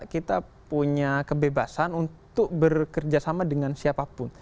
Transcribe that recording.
kita punya kebebasan untuk bekerja sama dengan siapapun